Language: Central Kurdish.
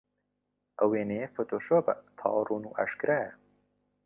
ئەو وێنەیە فۆتۆشۆپە، تەواو ڕوون و ئاشکرایە.